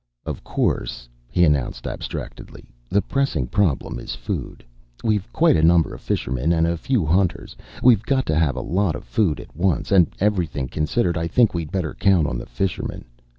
"Of course," he announced abstractedly, "the pressing problem is food. We've quite a number of fishermen, and a few hunters. We've got to have a lot of food at once, and everything considered, I think we'd better count on the fishermen.